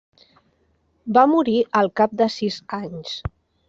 Va morir al cap de sis anys.